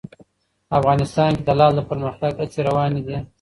افغانستان کې د لعل د پرمختګ هڅې روانې دي.